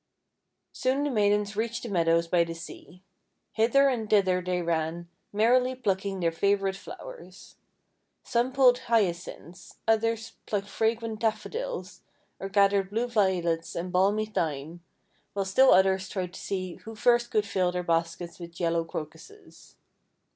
Soon the maidens reached the meadows by the sea. Hither and thither they ran, merrily plucking their favourite flowers. Some pulled Hyacinths, others plucked fragrant Daffodils, or gathered blue Violets and balmy Thyme, while still others tried to see who first could fill their baskets with yellow Crocuses.